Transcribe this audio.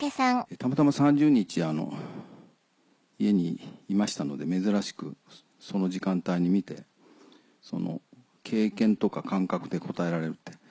たまたま３０日家にいましたので珍しくその時間帯に見て経験とか感覚で答えられるって。